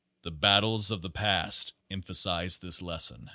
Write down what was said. The battles of the past empha size this lesson.